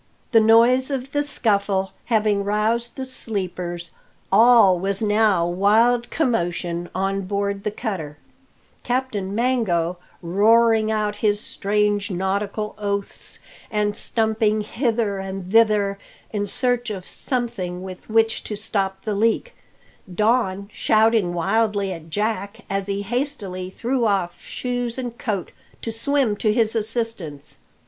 The noise of the scuffle having roused the sleepers, all was now wild commotion on board the cutter; Captain Mango roaring out his strange nautical oaths, and stumping hither and thither in search of something with which to stop the leak; Don shouting wildly at Jack, as he hastily threw off shoes and coat to swim to his assistance.